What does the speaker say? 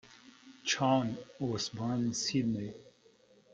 Chowne was born in Sydney.